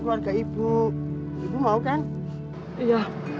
tolong lu umpetin buku kembang